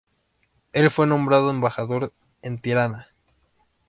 El fue nombrado embajador en Tirana.